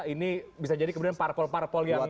ini bisa jadi kemudian parpol parpol yang